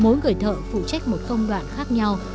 mỗi người thợ phụ trách một công đoạn khác nhau